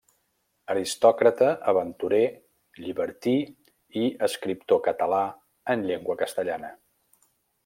Aristòcrata, aventurer, llibertí i escriptor català en llengua castellana.